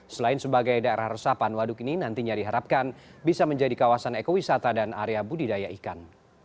selain sebagai daerah resapan waduk ini nantinya diharapkan bisa menjadi kawasan ekowisata dan area budidaya ikan